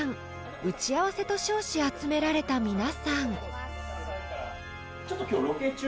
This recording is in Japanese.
［打ち合わせと称し集められた皆さん］